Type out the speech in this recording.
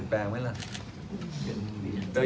แต่ถ้าเรามีการดูแลเรื่อย